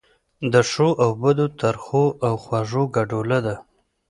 د ښو او بدو، ترخو او خوږو ګډوله ده.